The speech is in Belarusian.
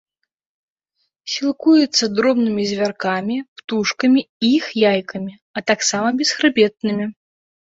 Сілкуецца дробнымі звяркамі, птушкамі і іх яйкамі, а таксама бесхрыбетнымі.